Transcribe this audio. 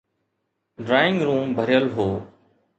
Drawing room ڀريل هو.